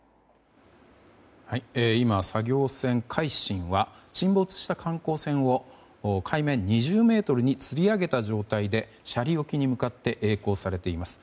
今、作業船「海進」は沈没した観光船を海面２０ｍにつり上げた状態で斜里沖に向かって曳航されています。